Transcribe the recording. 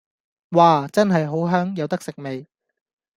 嘩！真係好香，有得食未